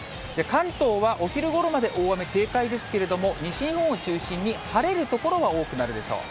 関東はお昼ごろまで大雨警戒ですけれども、西日本を中心に晴れる所が多くなるでしょう。